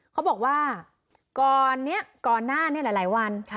เขาบอกว่าเก้าไม้และกลายวัน